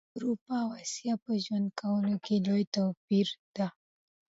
د اروپا او اسیا په ژوند کولو کي لوي توپیر ده